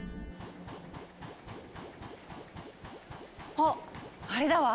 あっあれだわ！